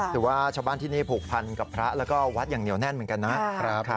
ถือว่าชาวบ้านที่นี่ผูกพันกับพระแล้วก็วัดอย่างเหนียวแน่นเหมือนกันนะครับ